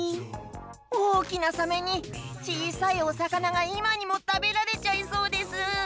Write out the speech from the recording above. おおきなサメにちいさいおさかながいまにもたべられちゃいそうです。